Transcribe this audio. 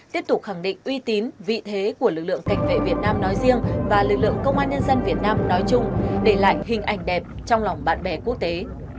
tiếp tục khẳng định uy tín vị thế của lực lượng cảnh vệ việt nam nói riêng và lực lượng công an nhân dân việt nam nói chung để lại hình ảnh đẹp trong lòng bạn bè quốc tế